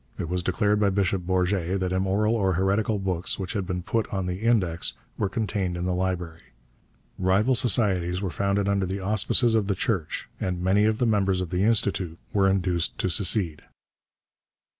It was declared by Bishop Bourget that immoral or heretical books which had been put on the Index were contained in the library. Rival societies were founded under the auspices of the Church and many of the members of the Institut were induced to secede.